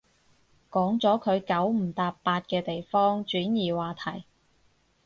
講咗佢九唔搭八嘅地方，轉移話題